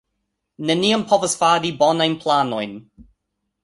Neniam povas fari bonajn planojn